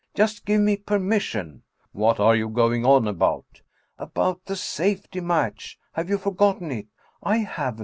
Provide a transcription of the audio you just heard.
Just give me permission " "What are you going on about?" "About the safety match! Have you forgotten it? I haven't